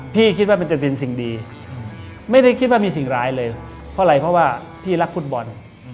คิดว่ามันจะเป็นสิ่งดีไม่ได้คิดว่ามีสิ่งร้ายเลยเพราะอะไรเพราะว่าพี่รักฟุตบอล